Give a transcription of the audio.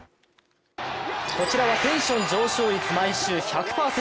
こちらはテンション上昇率毎週１００％